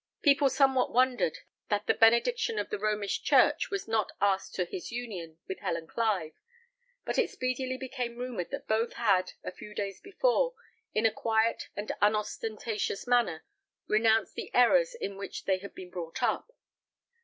People somewhat wondered that the benediction of the Romish church was not asked to his union with Helen Clive; but it speedily became rumoured that both had, a few days before, in a quiet and unostentatious manner, renounced the errors in which they had been brought up.